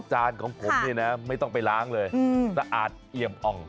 จานของผมไม่ต้องไปล้างเลยสะอาดเอียบอง